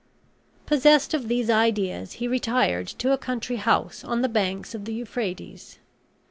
Possessed of these ideas he retired to a country house on the banks of the Euphrates.